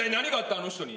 あの人に。